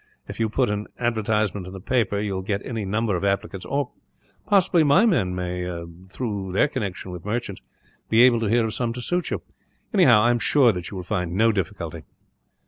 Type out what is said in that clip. If you put an advertisement in the paper, you will get any number of applicants; or possibly my men may, through their connection with merchants, be able to hear of some to suit you. Anyhow, I am sure that you will find no difficulty."